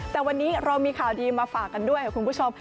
แต่วันนี้เรามีข่าวดีมาฝากกันด้วยค่ะคุณผู้ชม